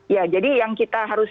ya jadi yang kita harus